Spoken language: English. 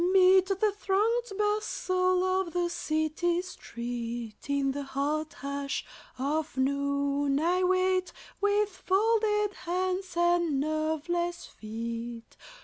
Mid the thronged bustle of the city street, In the hot hush of noon, I wait, with folded hands and nerveless feet.